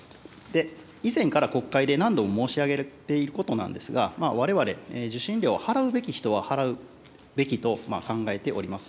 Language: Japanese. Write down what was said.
以前から国会で何度も申し上げていることなんですが、われわれ、受信料を払うべき人は払うべきと考えております。